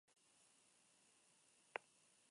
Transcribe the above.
Se trata de una de las reescrituras de esta obra clásica.